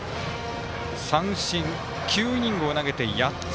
三振、９イニングを投げて８つ。